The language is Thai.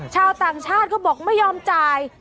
ชาวต่างชาติก็บอกไม่ยอมจ่าย